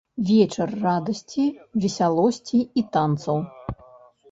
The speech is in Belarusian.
Вечар радасці, весялосці і танцаў.